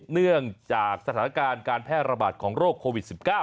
เนื่องจากสถานการณ์การแพร่ระบาดของโรคโควิด๑๙